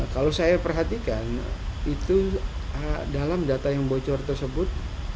kalau saya perhatikan itu dalam data yang bocor tersebut